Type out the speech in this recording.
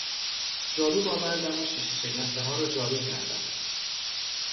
جاروب آوردم و شیشه شکستهها را جارو کردم.